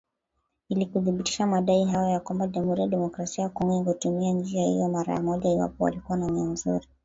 ili kuthibitisha madai hayo na kwamba Jamuhuri ya Demokrasia ya Kongo ingetumia njia hiyo mara moja iwapo walikuwa na nia nzuri